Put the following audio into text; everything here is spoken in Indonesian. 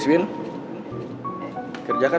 siapa di dalam